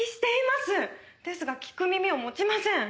ですが聞く耳を持ちません。